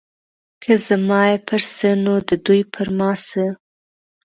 که زما یې پر څه نو د دوی پر ما څه.